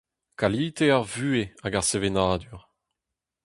Kalite ar vuhez hag ar sevenadur.